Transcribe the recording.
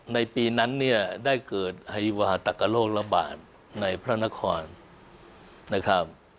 ในปีนั้นเนี่ยได้เกิดไฮวาตักกะโลกระบาดในพระนครนะครับ